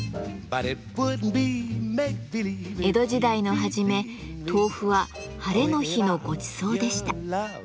江戸時代のはじめ豆腐は「ハレの日のごちそう」でした。